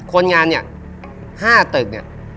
คนงานเนี่ย๕ตึกเนี่ย